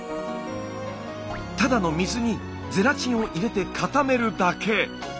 ただの水にゼラチンを入れて固めるだけ。